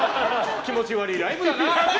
気持ち悪いライブだな。